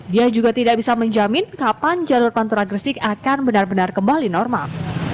dia juga tidak bisa menjamin kapan jalur pantura gresik akan benar benar kembali normal